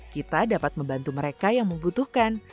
kita dapat membantu mereka yang membutuhkan